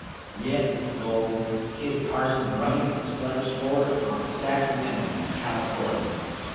"Yes, hit's gold! Kit Carson brung it from Sutter's Fort, on the Sacramenty, in Californy.